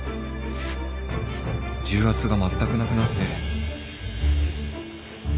重圧がまったくなくなって